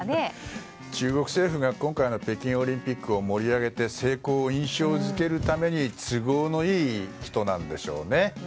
中国政府が今回の北京オリンピックを盛り上げて成功を印象付けるために都合のいい人なんでしょうね。